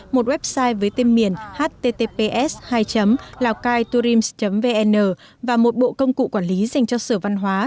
một website với tên miền https hai laocaiturims vn và một bộ công cụ quản lý dành cho sở văn hóa